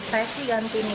saya sih ganti ini